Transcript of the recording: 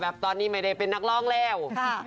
ตอนนี้ไม่ได้เป็นนักร้องแล้ว